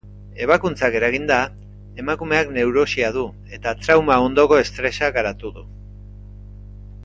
Ebakuntzak eraginda, emakumeak neurosia du eta trauma-ondoko estresa garatu du.